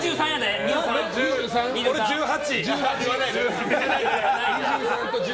俺は１８！